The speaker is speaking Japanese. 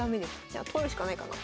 じゃあ取るしかないかな。